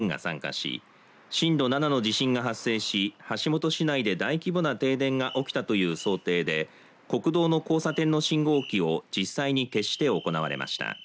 訓練には、橋本警察署の警察官１２人が参加し震度７の地震が発生し橋本市内で大規模な停電が起きたという想定で国道の交差点の信号機を実際に消して行われました。